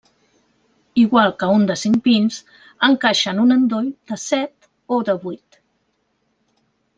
Igual que un de cinc pins encaixa en un endoll de set o de vuit.